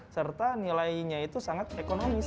serta nilainya itu sangat ekonomis